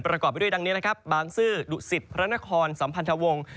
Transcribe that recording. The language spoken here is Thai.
ประกอบไปด้วยดังนี้บางสื่อดุศิษฐ์พระนครสัมพันธวงศ์